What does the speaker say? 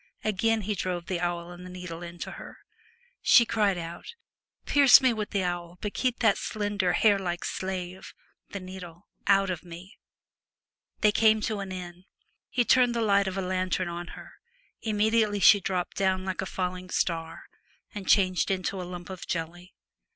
Again he drove the awl and needle into her. She cried out, ' Pierce me with the awl, but keep that slender, hair like slave (the needle) out of me.' They came to an inn. He turned the light of a lantern on her ; immediately she dropped down like a falling star, and changed into a lump of jelly.